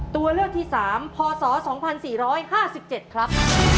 ตัวเลือกที่๓พศ๒๔๕๗ครับ